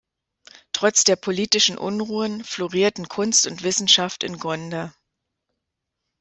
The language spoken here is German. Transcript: Trotz der politischen Unruhen, florierten Kunst und Wissenschaft in Gonder.